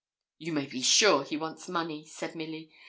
'You may be sure he wants money,' said Milly.